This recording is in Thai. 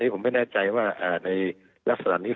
ผมไม่แน่ใจว่าในลักษณะนี้